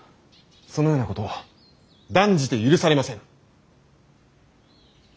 そのようなこと断じて許されません。